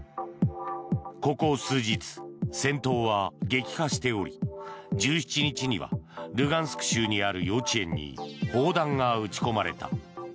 ここ数日、戦闘は激化しており１７日にはルガンスク州にある幼稚園に砲弾が撃ち込まれた。